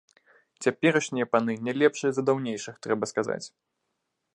Цяперашнія паны не лепшыя за даўнейшых, трэба сказаць.